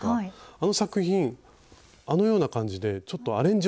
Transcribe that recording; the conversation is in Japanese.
あの作品あのような感じでちょっとアレンジもできるんですよね。